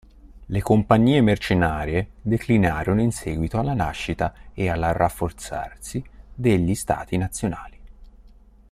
Le compagnie mercenarie declinarono in seguito alla nascita e al rafforzarsi degli stati nazionali.